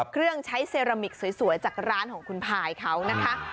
เครื่องใช้เซรามิกสวยจากร้านของคุณพายเขานะคะ